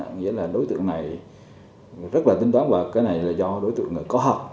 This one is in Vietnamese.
nghĩa là đối tượng này rất là thủ đoạn và cái này là do đối tượng có học